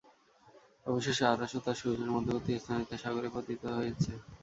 অবশেষে আরাস ও তার সূস-এর মধ্যবর্তী স্থানে তা সাগরে পতিত হয়েছে।